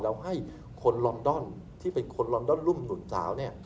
แล้วให้คนลอนดอนที่เป็นคนลอนดอนรุ่นสาว